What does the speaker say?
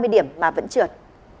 ba mươi điểm mà vẫn trượt